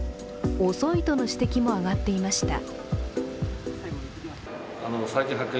遅いとの指摘も上がっていました。